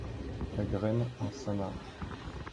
La graine un samare.